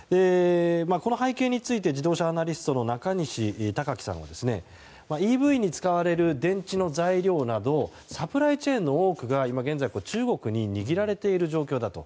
この背景について自動車アナリストの中西孝樹さんはＥＶに使われる電池の材料などサプライチェーンの多くが今現在、中国に握られている状態だと。